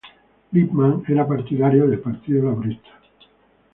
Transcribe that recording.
Lipman era partidaria del Partido Laborista.